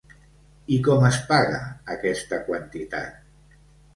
I com es paga aquesta quantitat?